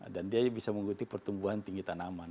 dan dia bisa mengganti pertumbuhan tinggi tanaman